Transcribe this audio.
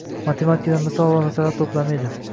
Matematikadan misol va masalalar toʻplami edi.